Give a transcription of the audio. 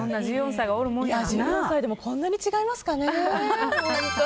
１４歳でもこんなに違いますかね。